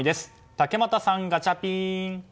竹俣さん、ガチャピン。